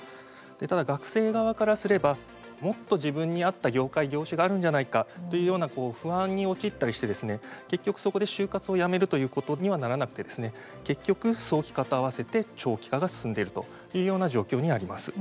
ただ、学生側からすればもっと自分に合った業界、業種があるんじゃないかというような不安に陥ったりして結局そこで就活をやめるということにはならなくて結局、早期化と合わせて長期化が進んでいるというような状況にあります。